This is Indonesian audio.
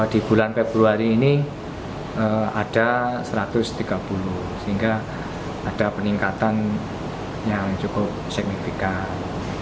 di bulan februari ini ada satu ratus tiga puluh sehingga ada peningkatan yang cukup signifikan